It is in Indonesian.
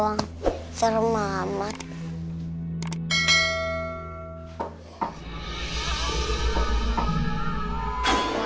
jangan nenek kayu